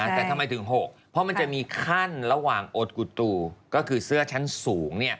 แต่ทำไมถึง๖เพราะมันจะมีขั้นระหว่างโอดกุตูก็คือเสื้อชั้นสูง